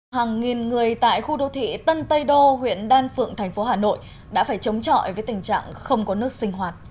hàng nghìn người tại khu đô thị tân tây đô huyện đan phượng thành phố hà nội đã phải chống chọi với tình trạng không có nước sinh hoạt